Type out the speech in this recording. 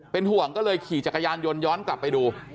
เป็นห่วงก็เลยขี่จักรยานยนต์ย้อนกลับไปดู